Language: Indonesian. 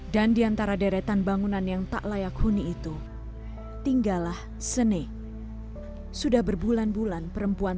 dan diantara deretan bangunan yang tak layak huni itu tinggal ah sene sudah berbulan bulan perempuan